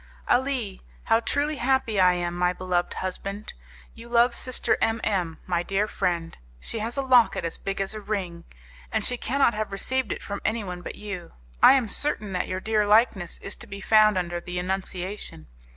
"Ah! how truly happy I am, my beloved husband! You love Sister M M , my dear friend. She has a locket as big as a ring, and she cannot have received it from anyone but you. I am certain that your dear likeness is to be found under the Annunciation.